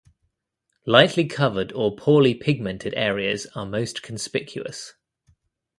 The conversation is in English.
Lightly covered or poorly pigmented areas are most conspicuous.